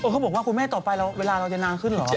เขาบอกว่าคุณแม่ต่อไปเวลาเราจะนานขึ้นเหรอ